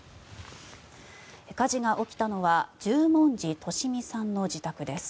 火事が起きたのは十文字利美さんの自宅です。